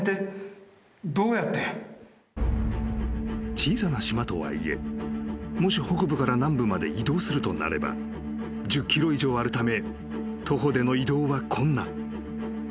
［小さな島とはいえもし北部から南部まで移動するとなれば１０ｋｍ以上あるため徒歩での移動は困難］